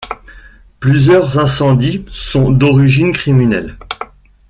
Plusieurs incendies sont d'origine criminelle.